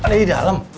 ada di dalam